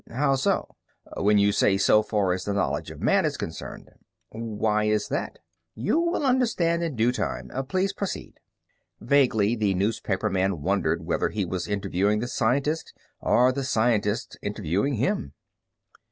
"How so?" "When you say 'so far as the knowledge of man is concerned.'" "Why is that?" "You will understand in due time. Please proceed." Vaguely the newspaperman wondered whether he was interviewing the scientist or the scientist interviewing him.